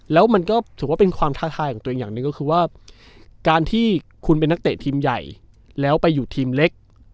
แล้วมันก็ถือว่าเป็นความท้าทายของตัวเองอย่างหนึ่งก็คือว่าการที่คุณเป็นนักเตะทีมใหญ่แล้วไปอยู่ทีมเล็ก